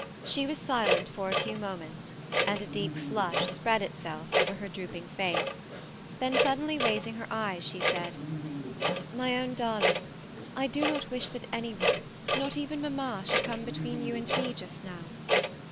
She was silent for a few moments, and a deep flush spread itself over her drooping face, then suddenly raising her eyes, she said, '^ My own darling, I do not wish that any one, not even mamma, should come between you and me just now."